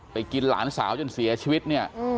กินหลานสาวจนเสียชีวิตเนี่ย